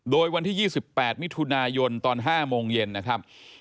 โดยวันที่๒๘มิถุนายนตอน๕โมงเย็นนะครับ